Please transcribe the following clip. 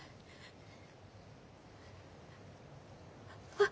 あっ。